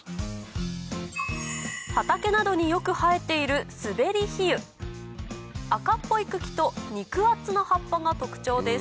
畑などによく生えている赤っぽい茎と肉厚な葉っぱが特徴です